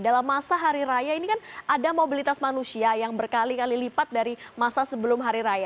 dalam masa hari raya ini kan ada mobilitas manusia yang berkali kali lipat dari masa sebelum hari raya